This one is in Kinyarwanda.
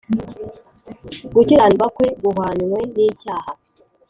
gukiranirwa kwe guhwanywe n icyaha